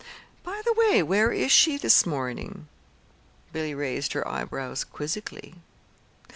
"By the way, where is she this morning?" Billy raised her eyebrows quizzically.